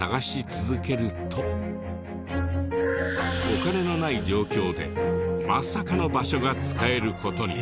お金のない状況でまさかの場所が使える事に。